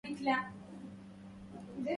تراءت لنا بالأبرقين بروق